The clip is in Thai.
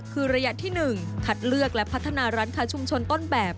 คือระยะที่๑คัดเลือกและพัฒนาร้านค้าชุมชนต้นแบบ